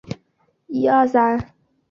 在组织体制中